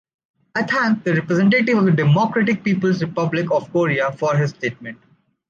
I thank the representative of the Democratic People’s Republic of Korea for his statement.